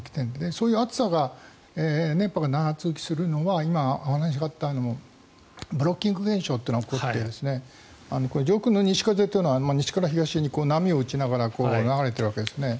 そういう暑さ、熱波が長続きするのは今、お話があったブロッキング現象というのが起こって上空の西風というのは西から東に波を打ちながら流れているわけですね。